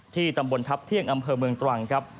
ตำบลทัพเที่ยงอำเภอเมืองตรังครับ